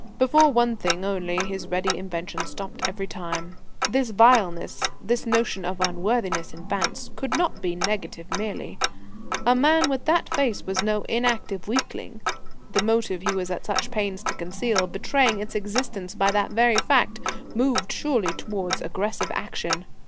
Before one thing only his ready invention stopped every time. This vileness, this notion of unworthiness in Vance, could not be negative merely. A man with that face was no inactive weakling. The motive he was at such pains to conceal, betraying its existence by that very fact, moved, surely, towards aggressive action.